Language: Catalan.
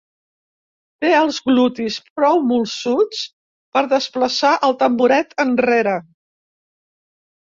Té els glutis prou molsuts per desplaçar el tamboret enrere.